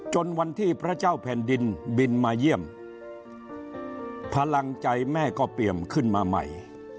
จนวันที่พระเจ้าแผ่นดินบินมาเยี่ยมพลังใจแม่ก็เปรียมขึ้นมาใหม่